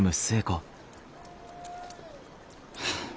はあ。